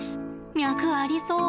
脈ありそう。